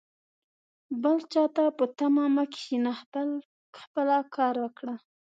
بل چاته په تمه مه کښېنه ، خپله کار وکړه